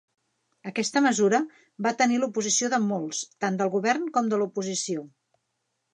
Aquesta mesura va tenir l'oposició de molts, tant del Govern com de l'oposició.